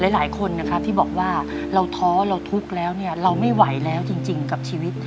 หลายคนนะครับที่บอกว่าเราท้อเราทุกข์แล้วเนี่ยเราไม่ไหวแล้วจริงกับชีวิต